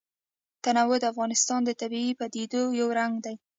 تنوع د افغانستان د طبیعي پدیدو یو رنګ دی.